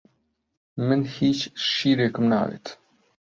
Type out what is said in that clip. من هیچ شیرێکم ناوێت.